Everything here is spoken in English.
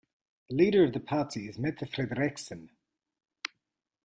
The leader of the party is Mette Frederiksen.